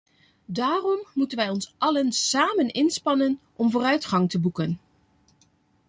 Daarom moeten wij ons allen samen inspannen om vooruitgang te boeken.